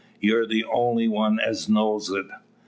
You're the only one as knows it."